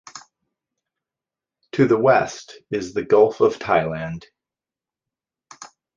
To the west is the Gulf of Thailand.